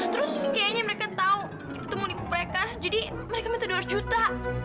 terus kayaknya mereka tahu kita mau nipu mereka jadi mereka minta dua ratus juta